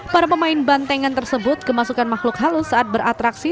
para pemain bantengan tersebut kemasukan makhluk halus saat beratraksi